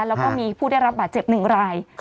แล้วก็มีผู้ได้รับบาดเจ็บ๑ราย